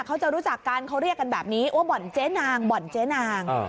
เขาจะรู้จักกันเขาเรียกกันแบบนี้ว่าบ่อนเจ๊นาง